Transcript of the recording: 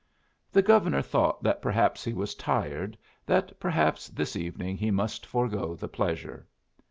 The Governor thought that perhaps he was tired, that perhaps this evening he must forego the pleasure.